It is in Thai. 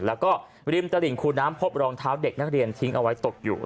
แล้วก็ริมตลิ่งคูน้ำพบรองเท้าเด็กนักเรียนทิ้งเอาไว้ตกอยู่